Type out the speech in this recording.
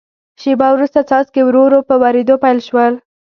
شیبه وروسته څاڅکي ورو ورو په ورېدو پیل شول.